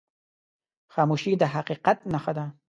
خاموشي، د حقیقت نښه ده.